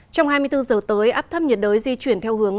trong hai mươi bốn giờ tới áp thấp nhiệt đới di chuyển theo hướng